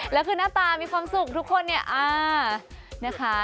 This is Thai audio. แล้วคือหน้าตามีความสุขทุกคนเนี่ยนะคะ